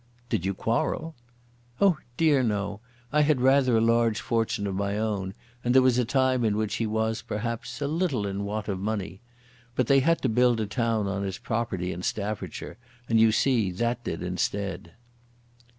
"Did you quarrel?" "Oh, dear no. I had rather a large fortune of my own, and there was a time in which he was, perhaps, a little in want of money. But they had to build a town on his property in Staffordshire, and you see that did instead."